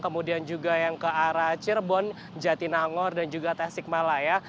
kemudian juga yang ke arah cirebon jatinangor dan juga tasikmalaya